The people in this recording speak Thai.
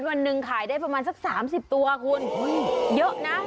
วันหนึ่งขายได้ประมาณสัก๓๐ตัวคุณเยอะนะ